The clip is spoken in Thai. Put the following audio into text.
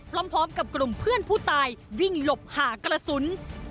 พร้อมกับกลุ่มเพื่อนผู้ตายวิ่งหลบหากระสุน